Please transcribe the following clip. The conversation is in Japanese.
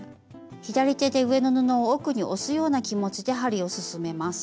左手で上の布を奥に押すような気持ちで針を進めます。